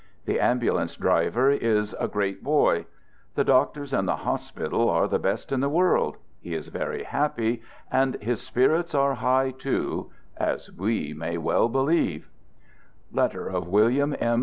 The ambulance driver is "a great boy." The doctors and the hospital are the best in the world. He is very happy, and his " spirits are high too "— as we may well believe : {Letter of William M.